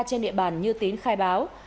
trên địa bàn như tín khai báo